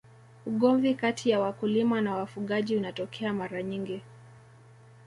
ugomvi kati ya wakulima na wafugaji unatokea mara nyingi